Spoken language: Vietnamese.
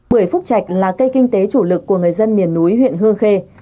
bưởi phúc trạch là cây kinh tế chủ lực của người dân miền núi huyện hương khê